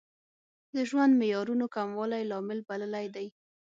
د ژوند معیارونو کموالی لامل بللی دی.